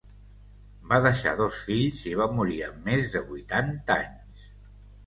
Va deixar dos fills i va morir amb més de vuitanta anys.